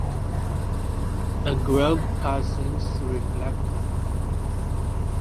A Grubb Parsons reflector.